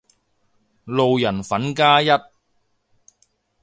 路人粉加一